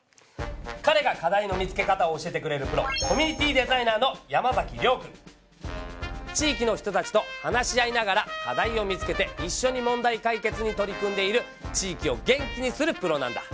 かれが「課題の見つけ方」を教えてくれるプロ地域の人たちと話し合いながら課題を見つけていっしょに問題解決に取り組んでいる地域を元気にするプロなんだ！